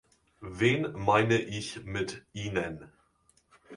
Wen meine ich mit "Ihnen"?